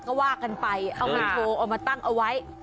ก็ว่ากันไปเอามาโชว์เอามาตั้งเอาไว้